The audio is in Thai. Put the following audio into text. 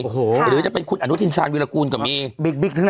โอ้โหหรือจะเป็นคุณอนุทินชาญวิรากูลก็มีบิ๊กบิ๊กทั้งนั้นเลย